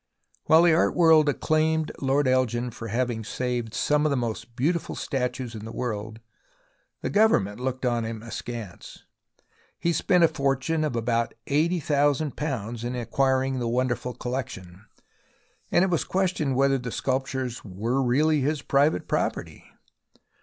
While the art world acclaimed Lord Elgin for having saved some of the most beautiful statues in the world, the Government looked upon him askance. He spent a fortune of about £80,000 THE ROMANCE OF EXCAVATION 181 in acquiring the wonderful collection, and it was questioned whether the sculptures were really his private property.